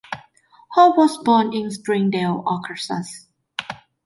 Hall was born in Springdale, Arkansas.